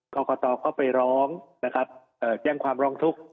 กัลกระต่อเข้าไปร้องนะครับแจ้งความร่องทุกข์